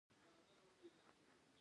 کهول اجاو به له کروندګرو باج اخیسته